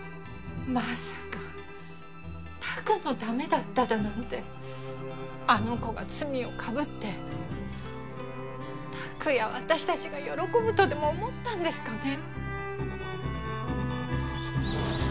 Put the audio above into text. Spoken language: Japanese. まさか拓のためだっただなんてあの子が罪をかぶって拓や私達が喜ぶとでも思ったんですかね